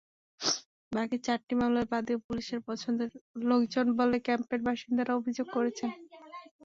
বাকি চারটি মামলার বাদীও পুলিশের পছন্দের লোকজন বলে ক্যাম্পের বাসিন্দারা অভিযোগ করেছেন।